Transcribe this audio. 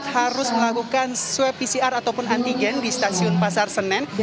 harus melakukan swab pcr ataupun antigen di stasiun pasar senen